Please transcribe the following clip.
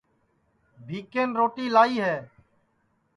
بھیکن روٹی لائی ہے